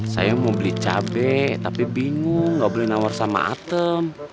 saya mau beli cabai tapi bingung gak boleh nawar sama atem